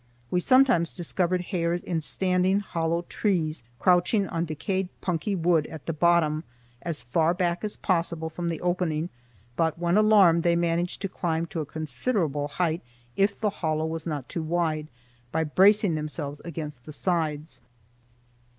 We sometimes discovered hares in standing hollow trees, crouching on decayed punky wood at the bottom, as far back as possible from the opening, but when alarmed they managed to climb to a considerable height if the hollow was not too wide, by bracing themselves against the sides.